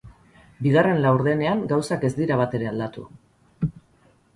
Bigarren laurdenean gauzak ez dira batere aldatu.